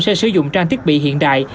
sẽ sử dụng trang thiết bị hiện đại